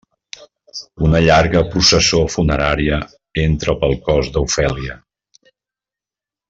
Una llarga processó funerària entra pel cos d'Ofèlia.